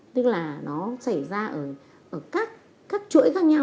tức là nó xảy ra ở các chuỗi khác nhau